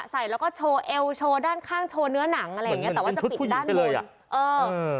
ใส่แล้วก็โชว์เอลโชว์ด้านข้างโชว์เนื้อหนังแต่ว่าจะปิดด้านบน